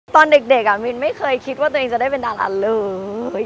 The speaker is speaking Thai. ตอนเด็กมินไม่เคยคิดว่าตัวเองจะได้เป็นดาราเลย